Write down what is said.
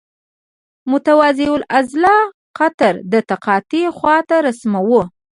متوازی الاضلاع قطر د تقاطع خواته رسموو.